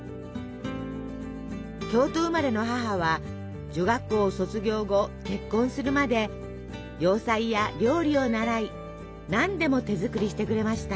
京都生まれの母は女学校を卒業後結婚するまで洋裁や料理を習い何でも手作りしてくれました。